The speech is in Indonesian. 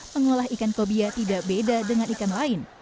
mengolah ikan kobia tidak beda dengan ikan lain